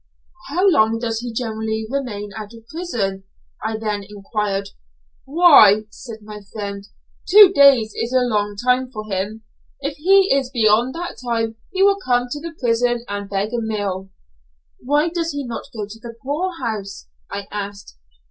"How long does he generally remain out of prison?" I then enquired. "Why," said my friend, "two days is a long time for him; if he is beyond that time he will come to the prison and beg a meal!" "Why does he not go to the poorhouse?" I asked.